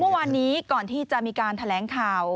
เมื่อวานนี้ก่อนที่จะมีการแถลงข่าว